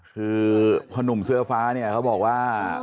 คือพ่อนุ่มเสื้อฟ้าเนี่ยเขาบอกว่า